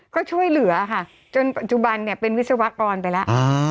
ก็ช่วยเหลือค่ะจนปัจจุบันเนี่ยเป็นวิศวกรไปแล้ว